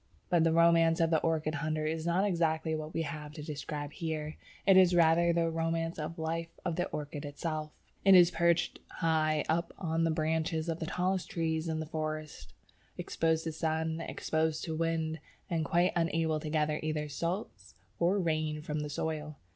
But the romance of the orchid hunter is not exactly what we have to describe here. It is rather the romance of the life of the orchid itself. It is perched high up on the branches of the tallest trees in the forest, exposed to sun, exposed to wind, and quite unable to gather either salts or rain from the soil.